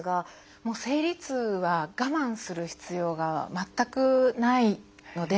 もう生理痛は我慢する必要が全くないので。